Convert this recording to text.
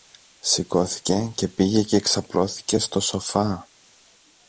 Σηκώθηκε και πήγε και ξαπλώθηκε στο σοφά.